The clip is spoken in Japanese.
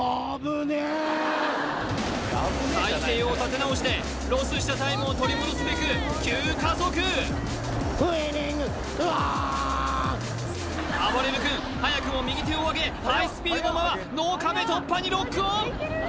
体勢を立て直してロスしたタイムを取り戻すべく急加速あばれる君早くも右手をあげハイスピードのまま脳かべ突破にロックオン！